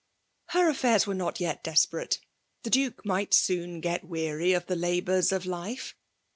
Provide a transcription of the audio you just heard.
Her affitirs were not yet desperate. Hie Dnkemigbt seon^ get weary of tbe labours of life.